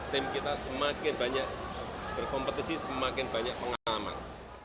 tim kita semakin banyak berkompetisi semakin banyak pengalaman